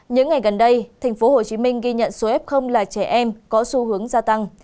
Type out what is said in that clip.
những ngày gần đây tp hcm ghi nhận số f là trẻ em có xu hướng gia tăng